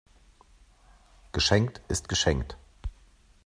Geschenkt ist geschenkt.